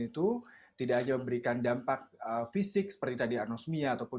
yang tadi sedikitnya memberikan pemahaman spread ada nozmiya atau pun terdampar untuk mendingan merasa mencium sesuatu dan